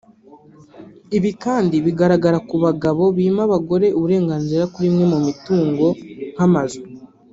ibi kandi bigaragara ku bagabo bima abagore uburenganzira kuri imwe mu mitungo nk’amazu